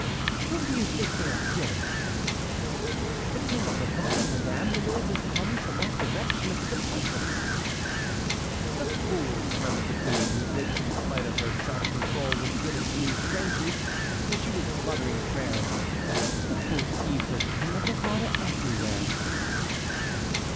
"Whom do you think they are killing?" "The King of Navarre, madame; the noise comes from the direction of his apartments." "The fool!" murmured the queen, whose lips in spite of her self control were beginning to move strangely, for she was muttering a prayer; "the fool sees her King of Navarre everywhere."